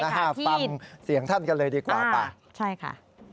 ใช่ค่ะที่ปังเสียงท่านกันเลยดีกว่าป่ะใช่ค่ะ